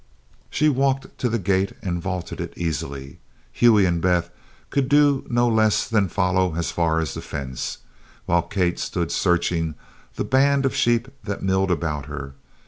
She walked to the gate and vaulted it easily. Hughie and Beth could do no less than follow as far as the fence, while Kate stood searching the band of sheep that milled about her.